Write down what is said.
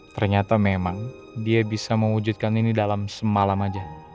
ternyata memang dia bisa mewujudkan ini dalam semalam aja